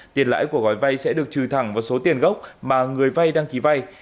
tiền lãi của gói vay sẽ được trừ thẳng vào số tiền gốc mà người vay đăng ký vay